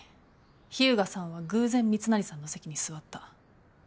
秘羽我さんは偶然密成さんの席に座った。